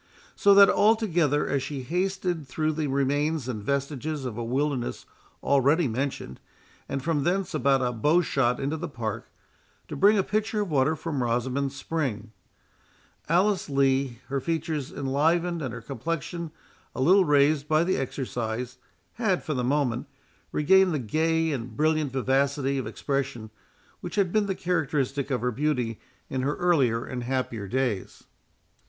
So that, altogether, as she hasted through the remains and vestiges of a wilderness already mentioned, and from thence about a bow shot into the Park, to bring a pitcher of water from Rosamond's spring, Alice Lee, her features enlivened and her complexion a little raised by the exercise, had, for the moment, regained the gay and brilliant vivacity of expression which had been the characteristic of her beauty in her earlier and happier days.